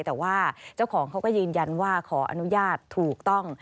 แต่ว่าเจ้าของเขาก็ยืนยันว่าขออนุญาตถูกต้อง